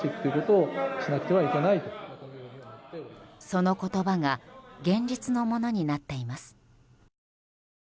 その言葉が現実のものになっています。